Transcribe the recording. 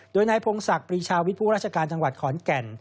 โดยนายพงศักดิ์ปรีชาวิทย์ผู้ราชการจังหวัดขอนแก่น